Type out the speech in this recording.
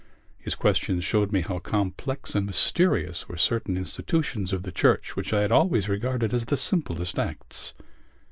His questions showed me how complex and mysterious were certain institutions of the Church which I had always regarded as the simplest acts.